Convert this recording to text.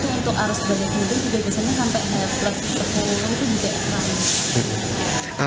setelah itu untuk arus berat mudik juga biasanya sampai haplah sepuluh itu juga haram